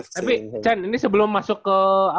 tapi chan ini sebelum masuk ke